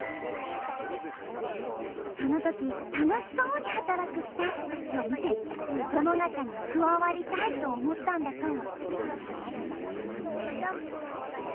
そのとき楽しそうに働くスタッフたちを見てその中に加わりたいと思ったんだそう。